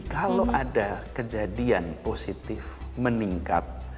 kalau ada kejadian positif meningkat